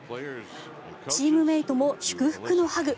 チームメートも祝福のハグ。